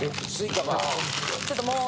ちょっともう。